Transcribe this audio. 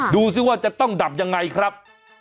ดูสิว่าจะต้องดับยังไงครับ